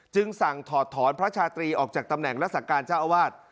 สั่งถอดถอนพระชาตรีออกจากตำแหน่งรักษาการเจ้าอาวาส